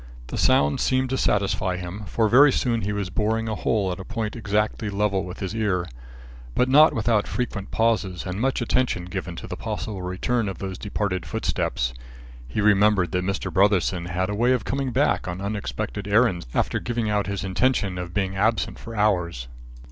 The sound seemed to satisfy him, for very soon he was boring a hole at a point exactly level with his ear; but not without frequent pauses and much attention given to the possible return of those departed foot steps. He remembered that Mr. Brotherson had a way of coming back on unexpected errands after giving out his intention of being absent for hours.